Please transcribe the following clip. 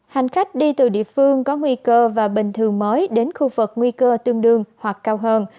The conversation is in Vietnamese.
hành khách đi từ địa phương có nguy cơ và bình thường mới đến khu vực nguy cơ tương đương hoặc cao hơn